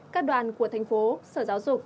các đoàn của thành phố sở giáo dục